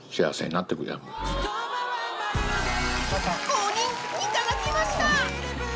公認いただきました！